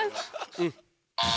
うん。